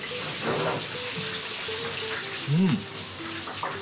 うん！